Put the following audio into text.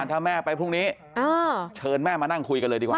ถ้าแม่ไปพรุ่งนี้เชิญแม่มานั่งคุยกันเลยดีกว่า